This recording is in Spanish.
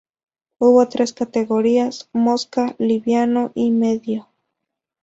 Hubo tres categorías: mosca, liviano y medio.